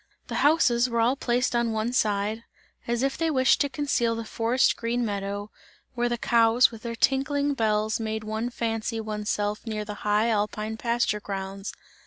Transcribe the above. The houses were all placed on one side, as if they wished to conceal the forest green meadow, where the cows with their tinkling bells made one fancy one's self near the high alpine pasture grounds.